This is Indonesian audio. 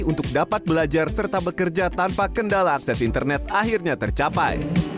untuk dapat belajar serta bekerja tanpa kendala akses internet akhirnya tercapai